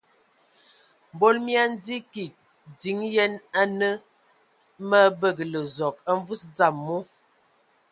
Mbol mii andzi kig din yen anǝ mə abǝgǝlǝ Zɔg a mvus dzam mu.